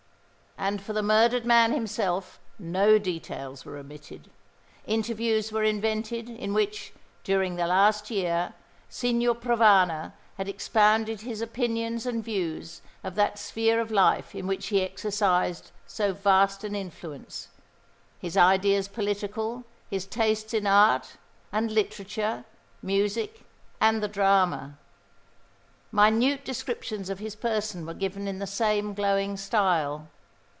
And for the murdered man himself, no details were omitted. Interviews were invented, in which, during the last year, Signor Provana had expounded his opinions and views of that sphere of life in which he exercised so vast an influence his ideas political, his tastes in art and literature, music, and the drama. Minute descriptions of his person were given in the same glowing style.